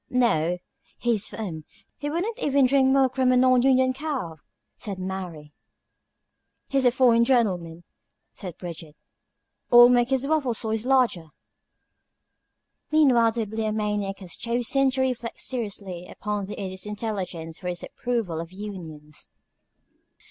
"No, he's for 'em; he wouldn't even drink milk from a non union cow," said Mary. "He's a foine gintleman," said Bridget. "Oi'll make his waffles a soize larger." Meanwhile the Bibliomaniac had chosen to reflect seriously upon the Idiot's intelligence for his approval of unions.